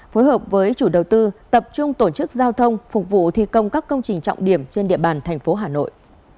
phối hợp với chủ đầu tư tập trung tổ chức giao thông phục vụ thi công các công trình trọng điểm trên địa bàn thành phố hà nội